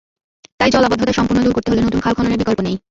তাই জলাবদ্ধতা সম্পূর্ণ দূর করতে হলে নতুন খাল খননের বিকল্প নেই।